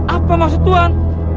apa maksud tuan